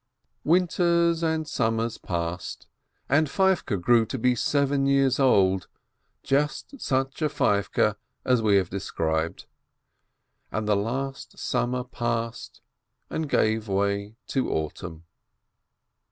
Winters and summers passed, and Feivke grew to be seven years old, just such a Feivke as we have described. And the last summer passed, and gave way to autumn.